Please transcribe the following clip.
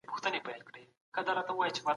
ميرويس خان نيکه څنګه د خپلواکۍ لپاره کار وکړ؟